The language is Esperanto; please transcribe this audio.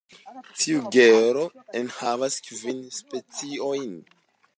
Tiu genro enhavas kvin speciojn.